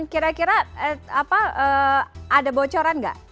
kira kira ada bocoran nggak